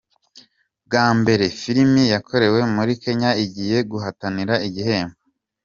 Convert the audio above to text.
Bwa mbere filimi yakorewe muri Kenya igiye guhatanira igihembo